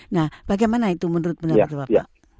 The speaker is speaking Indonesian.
nah bagaimana itu menurut benar benar bapak